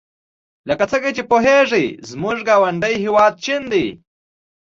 لکه څنګه چې پوهیږئ زموږ یو ګاونډي هېواد چین دی.